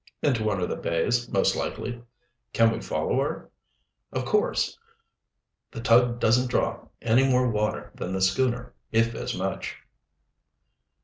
"Into one of the bays, most likely." "Can we follow her?" "Of coarse. The tug doesn't draw any more water than the schooner, if as much."